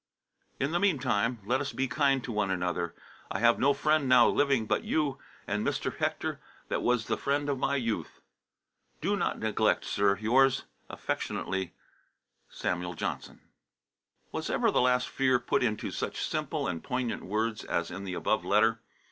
"In the meantime, let us be kind to one another. I have no friend now living but you and Mr. Hector that was the friend of my youth. Do not neglect, sir, yours affectionately, SAM. JOHNSON." Was ever the last fear put into such simple and poignant words as in the above letter?